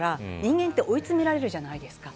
人間って追い詰められるじゃないですか。